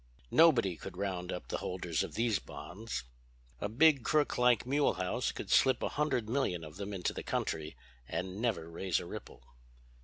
Nobody could round up the holders of these bonds. "A big crook like Mulehaus could slip a hundred million of them into the country and never raise a ripple."